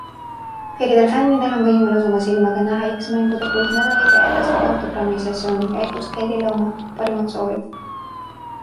Kõikidel fännidel on võimalus oma silmaga näha X-mängude kuldmedaleid ja edastada autogrammisessiooni käigus Kellyle oma parimad soovid.